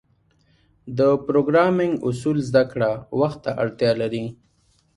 د پروګرامینګ اصول زدهکړه وخت ته اړتیا لري.